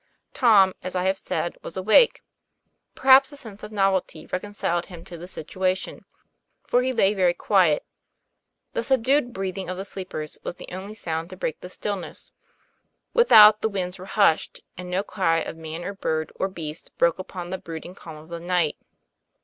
Tom, as I have said, was awake. Perhaps a sense of novelty reconciled him to the situation ; for he lay very quiet. The subdued breathing of the sleepers was the only sound to break the stillness; without the winds were hushed, and no cry of man or bird or beast broke upon the brooding calm of the night.